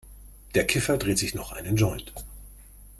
Der Kiffer dreht sich noch einen Joint.